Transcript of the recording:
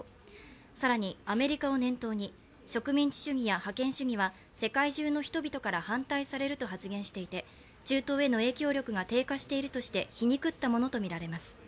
更にアメリカを念頭に植民地主義や覇権主義は世界中の人々から反対されると発言していて中東への影響力が低下しているとして皮肉ったものとみられます。